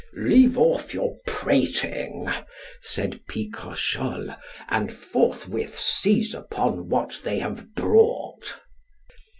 Leave off your prating, said Picrochole, and forthwith seize upon what they have brought.